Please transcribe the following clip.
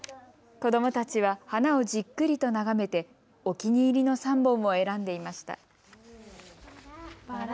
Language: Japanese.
子どもたちは花をじっくりと眺めてお気に入りの３本を選んでいました。